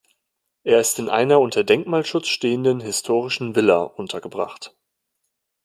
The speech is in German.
Es ist in einer unter Denkmalschutz stehenden historischen Villa untergebracht.